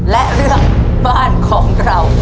และเรื่องบ้านของเรา